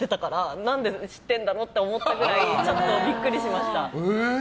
何で知ってるんだろうって思ったくらいちょっとビックリしました。